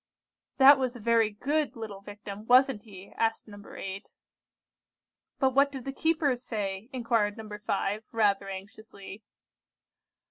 '" "That was a very good little Victim, wasn't he?" asked No. 8. "But what did the keepers say?" inquired No. 5, rather anxiously.